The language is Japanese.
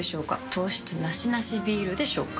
糖質ナシナシビールでしょうか？